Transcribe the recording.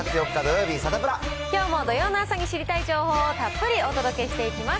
きょうも土曜の朝に知りたい情報をたっぷりお届けしていきます。